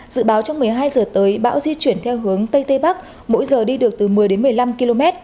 dự báo trong một mươi hai giờ tới bão di chuyển theo hướng tây tây bắc mỗi giờ đi được từ một mươi đến một mươi năm km